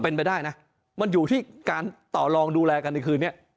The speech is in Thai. เป็นไปได้นะมันอยู่ที่การต่อลองดูแลกันในคืนนี้